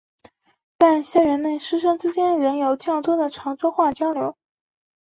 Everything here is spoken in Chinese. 但校园内师生之间仍有较多的潮州话交流。